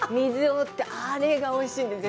あれがおいしいんです。